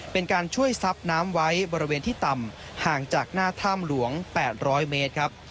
เป็นการช่วยซับน้ำไว้บริเวณที่ต่ำห่างจากหน้าถ้ำหลวง๘๐๐เมตรครับ